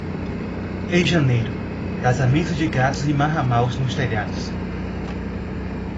Em janeiro, casamentos de gatos e marramaus nos telhados.